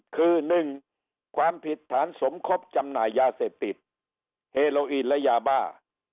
คือ๑ความผิดฐานสมคบจำหน่ายยาเสพติดเฮโลอีนและยาบ้า